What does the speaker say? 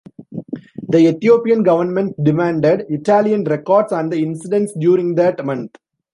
The Ethiopian government demanded Italian records on the incidents during that month.